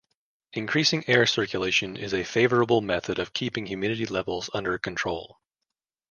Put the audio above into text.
Increasing air circulation is a favourable method of keeping humidity levels under control.